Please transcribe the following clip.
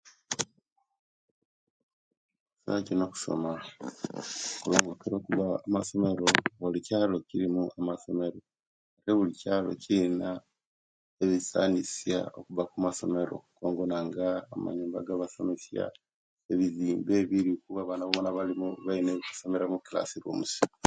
Ennaku gino okusoma kitira okuba omumasomero buli kyaalo kirimu amasomero ate buli kyaalo kilina ebisanisya okuba kumasomero gongona nga amanyumba agabasomesya, ebizimbe biliku abaana bonabona baliku balina egya'basomela omu'kilasirumuz.